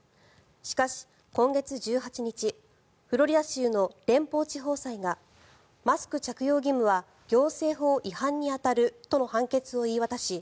しかし今月１８日フロリダ州の連邦地方裁がマスク着用義務は行政法違反に当たるとの判決を言い渡し